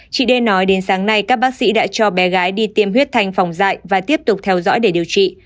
chị đê nói đến sáng nay các bác sĩ đã cho bé gái đi tiêm huyết thanh phòng dại và tiếp tục theo dõi để điều trị